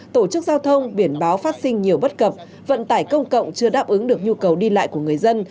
tổ chức giao thông biển báo phát sinh nhiều bất cập vận tải công cộng chưa đáp ứng được nhu cầu đi lại của người dân